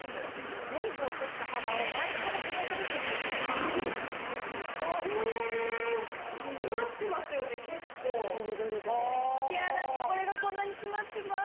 メイクを落とした肌をマイクロスコープでチェックしてみますすると毛穴に汚れがこんなに詰まってます